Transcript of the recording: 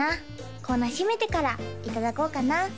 コーナー締めてからいただこうかな？